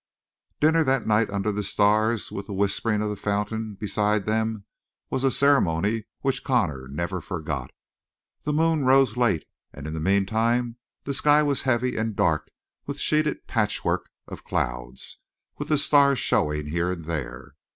Dinner that night under the stars with the whispering of the fountain beside them was a ceremony which Connor never forgot. The moon rose late and in the meantime the sky was heavy and dark with sheeted patchwork of clouds, with the stars showing here and there.